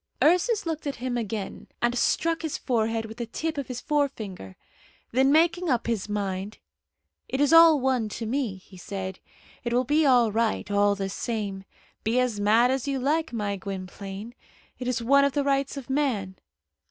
Ursus looked at him again, and struck his forehead with the tip of his forefinger. Then making up his mind, "It is all one to me," he said. "It will be all right, all the same. Be as mad as you like, my Gwynplaine. It is one of the rights of man.